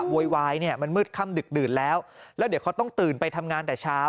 โวยวายเนี่ยมันมืดค่ำดึกดื่นแล้วแล้วเดี๋ยวเขาต้องตื่นไปทำงานแต่เช้า